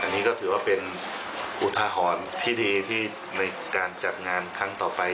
อันนี้ก็ถือว่าเป็นอุทาหรณ์ที่ดีที่ในการจัดงานครั้งต่อไป